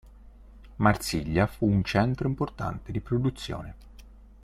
Marsiglia fu un centro importante di produzione.